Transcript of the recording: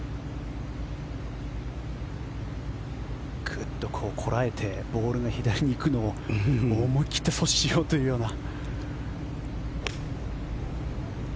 グッとこらえてボールが左に行くのを思い切って阻止しようというような。